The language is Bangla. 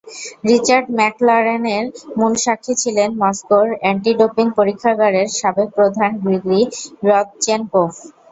রিচার্ড ম্যাকলারেনের মূল সাক্ষী ছিলেন মস্কোর অ্যান্টিডোপিং পরীক্ষাগারের সাবেক প্রধান গ্রিগরি রদচেনকোভ।